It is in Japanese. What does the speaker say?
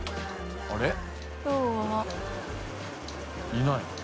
いない。